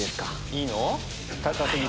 いいの？